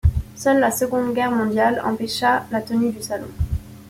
Seule la Seconde Guerre mondiale empêcha la tenue du Salon.